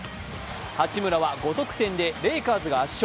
八村は５得点でレイカーズが圧勝。